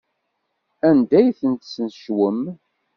Anda ay ten-tesnecwem?